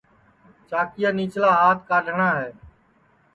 چاکِیا نِیچلا ہات کاڈؔٹؔا ہے